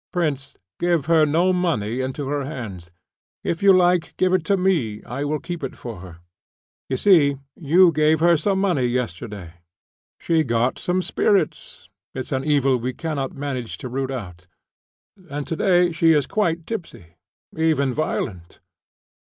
"Prince, give her no money into her hands. If you like, give it me. I will keep it for her. You see, you gave her some money yesterday; she got some spirits (it's an evil we cannot manage to root out), and to day she is quite tipsy, even violent."